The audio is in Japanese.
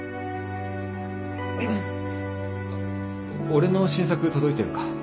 俺の新作届いてるか？